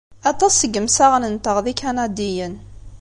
Aṭas seg yimsaɣen-nteɣ d Ikanadiyen.